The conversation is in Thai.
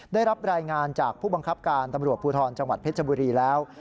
ได้รับรายงานจากผู้บังคับการตำรวจภูทรจังหวัดเพชรบุรีแล้ว